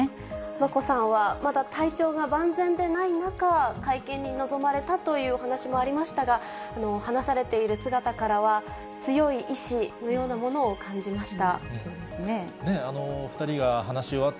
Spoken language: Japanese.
眞子さんは、まだ体調が万全でない中、会見に臨まれたというお話もありましたが、話されている姿からは、強い意思のようなものを感じました。